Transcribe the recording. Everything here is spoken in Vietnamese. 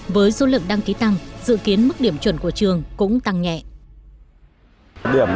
với số lượng đăng ký tăng dự kiến mức điểm chuẩn của trường cũng tăng nhẹ